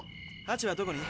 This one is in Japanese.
ハチはどこに？